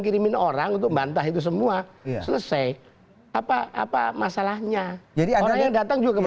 kirimin orang untuk bantah itu semua selesai apa apa masalahnya jadi orang yang datang juga ke